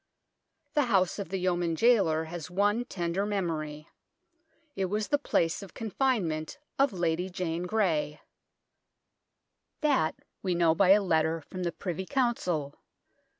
The house of the Yeoman Jailer has one tender memory. It was the place of confinement of Lady Jane Grey. That we know by a letter from the Privy Council.